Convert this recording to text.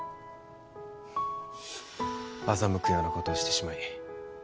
欺くようなことをしてしまい